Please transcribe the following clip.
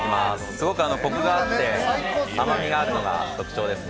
すごくコクがあって甘みがあるのが特徴です。